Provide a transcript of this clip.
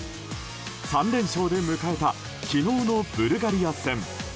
３連勝で迎えた昨日のブルガリア戦。